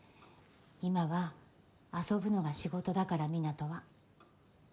今は遊ぶのが仕事だから湊人は。